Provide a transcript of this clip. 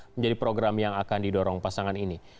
menjadi program yang akan didorong pasangan ini